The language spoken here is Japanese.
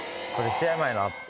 試合前のアップ？